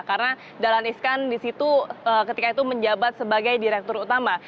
karena dahlan iskan di situ ketika itu menjabat sebagai direktur utama